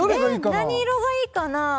えっ何色がいいかな？